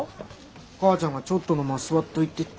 母ちゃんがちょっとの間座っといてって。